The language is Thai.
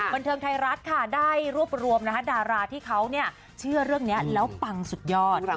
บันเทิงไทยรัฐค่ะได้รวบรวมดาราที่เขาเชื่อเรื่องนี้แล้วปังสุดยอด